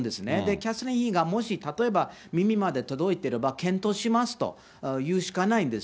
キャサリン妃がもし例えば耳まで届いてれば、検討しますと言うしかないんです。